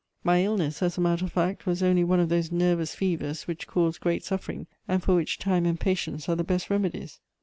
"My illness, as a matter of fact, was only one of those nervous fevers which cause great suffering, and for which time and patience are the best remedies.